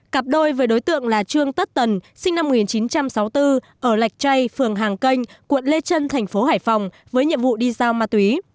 cặp đôi với đối tượng là trương tất tần sinh năm một nghìn chín trăm sáu mươi bốn ở lạch chay phường hàng kênh quận lê trân thành phố hải phòng với nhiệm vụ đi giao ma túy